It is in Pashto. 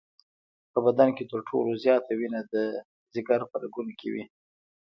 په بدن کې تر ټولو زیاته وینه د جگر په رګونو کې وي.